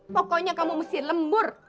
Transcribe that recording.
pokoknya kamu mesti lembur